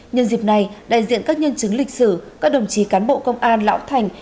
nhân dịp này đại diện các nhân chứng lịch sử các đồng chí cán bộ công an lão thành